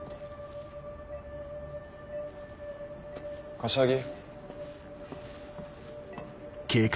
柏木？